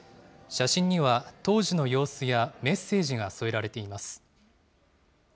写真には、当時の様子やメッセージが添えられています。